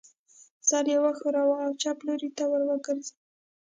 سر یې و ښوراوه او چپ لوري ته ور وګرځېد.